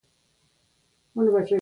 يو انسان په ټولنيز ژوند کې اوسي.